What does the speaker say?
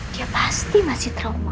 dia pasti masih trauma